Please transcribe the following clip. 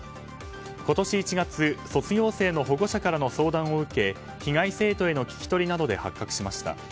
今年１月、卒業生の保護者からの相談を受け被害生徒への聞き取りなどで発覚しました。